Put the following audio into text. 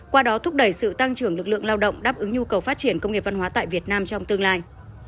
qua đó thúc đẩy sự tăng trưởng lực lượng lao động đáp ứng nhu cầu phát triển công nghiệp văn hóa tại việt nam trong tương lai